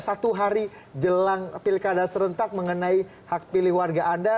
satu hari jelang pilkada serentak mengenai hak pilih warga anda